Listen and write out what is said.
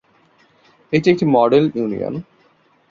এটি একটি model union.